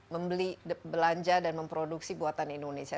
membeli belanja dan memproduksi buatan indonesia